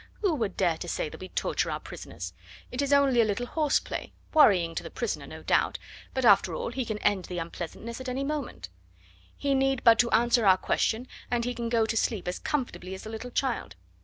Who would dare to say that we torture our prisoners? It is only a little horseplay, worrying to the prisoner, no doubt; but, after all, he can end the unpleasantness at any moment. He need but to answer our question, and he can go to sleep as comfortably as a little child.